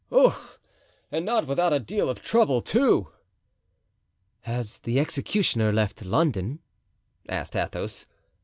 Ough! and not without a deal of trouble, too." "Has the executioner left London?" asked Athos.